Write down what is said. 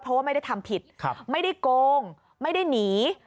เพราะว่าไม่ได้ทำผิดไม่ได้โกงไม่ได้หนี